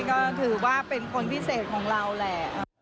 ก็ถือว่าเป็นคนพิเศษของเราแหละ